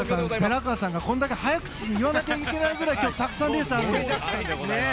寺川さんが、これだけ早口で言わないといけないくらい今日はたくさんレースがあるんですよ。